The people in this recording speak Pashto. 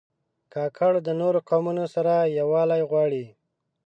کاکړ د نورو قومونو سره یووالی غواړي.